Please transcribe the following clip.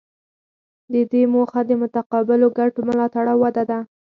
د دې موخه د متقابلو ګټو ملاتړ او وده ده